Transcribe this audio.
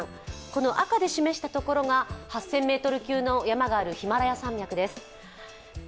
この赤で示した書が８０００ｍ級の山があるヒマラヤ山脈です。